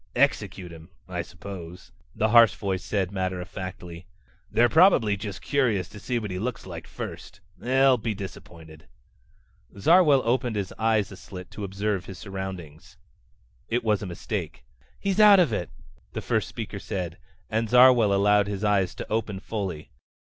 "Execute him, I suppose," the harsh voice said matter of factly. "They're probably just curious to see what he looks like first. They'll be disappointed." Zarwell opened his eyes a slit to observe his surroundings. It was a mistake. "He's out of it," the first speaker said, and Zarwell allowed his eyes to open fully.